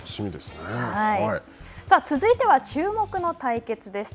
さあ続いては注目の対決です。